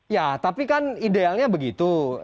ya tapi kan idealnya begitu